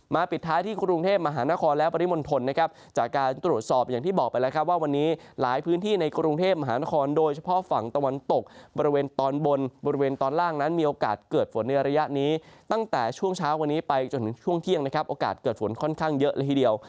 ปิดท้ายที่กรุงเทพมหานครและปริมณฑลนะครับจากการตรวจสอบอย่างที่บอกไปแล้วครับว่าวันนี้หลายพื้นที่ในกรุงเทพมหานครโดยเฉพาะฝั่งตะวันตกบริเวณตอนบนบริเวณตอนล่างนั้นมีโอกาสเกิดฝนในระยะนี้ตั้งแต่ช่วงเช้าวันนี้ไปจนถึงช่วงเที่ยงนะครับโอกาสเกิดฝนค่อนข้างเยอะละทีเดียว